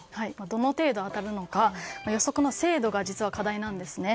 どの程度当たるのかは予測の精度が実は課題なんですね。